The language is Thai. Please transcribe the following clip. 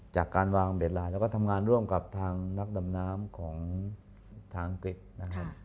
จากการวางเบ็ดลายแล้วก็ทำงานร่วมกับทางนักดำน้ำของทางอังกฤษนะครับ